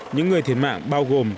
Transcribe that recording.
những người thiệt mạng bao gồm